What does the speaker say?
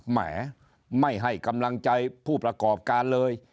แหมไม่ให้กำลังใจผู้ประกอบการเลย